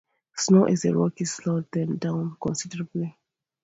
Snow in the Rockies slowed them down considerably.